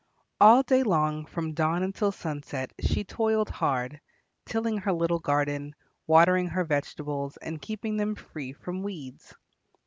All day long from dawn until sunset she toiled hard, tilling her little garden, watering her vegetables and keeping them free from weeds.